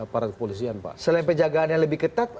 aparat kepolisian pak selain penjagaan yang lebih ketat